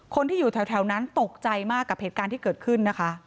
คนที่อยู่แถวนั้นตกใจมากกับเหตุการณ์ที่เกิดขึ้นนะคะ